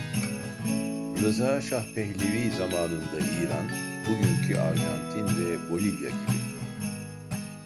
Rıza Şah Pehlevi zamanında İran, bugünkü Arjantin ve Bolivya gibi.